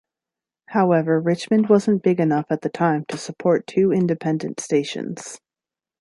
However, Richmond wasn't big enough at the time to support two independent stations.